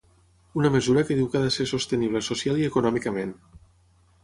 Una mesura que diu que ha de ser sostenible social i econòmicament.